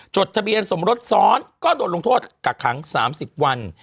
จดทะเบียนสมรสซ้อนก็โดนลงโทษกักขัง๓๐วัน